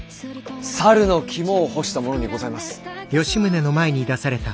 猿の肝を干したものにございます。